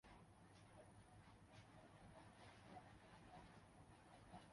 اس report کی پرتیں کھل رہی ہیں۔